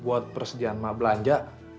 buat persediaan mak belanja